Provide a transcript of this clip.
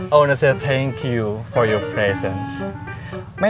aku mau nanya terima kasih untuk hadirannya